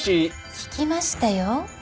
聞きましたよ。